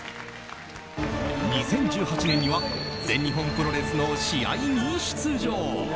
２０１８年には全日本プロレスの試合に出場。